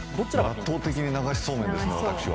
圧倒的に流しそうめんですね。